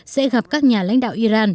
sẽ gặp các nhà lãnh đạo iran